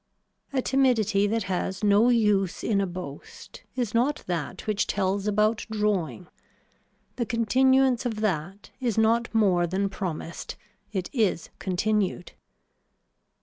A timidity that has no use in a boast is not that which tells about drawing. The continuance of that is not more than promised, it is continued.